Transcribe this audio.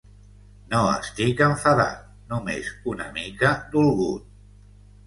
No estic enfadat, només una mica dolgut.